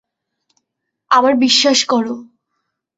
আমার বিশ্বাস করো।